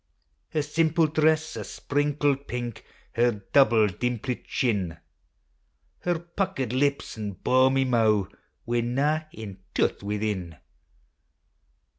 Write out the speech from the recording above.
Her simple dress o? sprinkled pink, Her double, dimplit chin. Her puckered lips an' baumy mou'. With na ane tooth within.